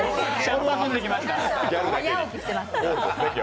早起きしてます。